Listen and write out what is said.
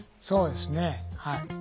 そうですねはい。